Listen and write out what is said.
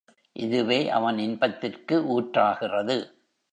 இதுவே அவன் இன்பத்திற்கு ஊற்றாகிறது.